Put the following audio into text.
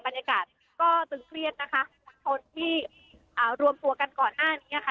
บรรยากาศก็ตึงเครียดนะคะคนที่อ่ารวมตัวกันก่อนหน้านี้ค่ะ